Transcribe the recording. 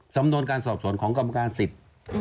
สำนวนการสอบสวนของกรรมการสิทธิ์